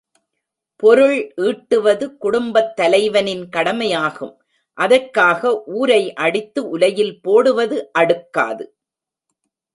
பொருள் ஈட்டுவது குடும்பத் தலைவனின் கடமையாகும் அதற்காக ஊரை அடித்து உலையில் போடுவது அடுக்காது.